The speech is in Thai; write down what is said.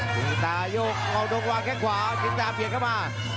ทิ้งตายกหาดงวางแค่ขวาทิ้งตาเปลี่ยนเข้ามา